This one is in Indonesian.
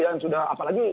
yang sudah apalagi